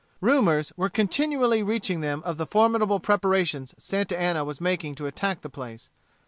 Rumors were continually reaching them of the formidable preparations Santa Anna was making to attack the place.